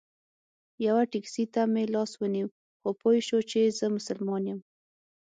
یوه ټیکسي ته مې لاس ونیو خو پوی شو چې زه مسلمان یم.